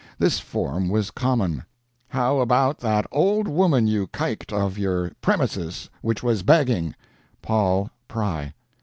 This form was common: How about that old woman you kiked of your premises which was beging. POL. PRY.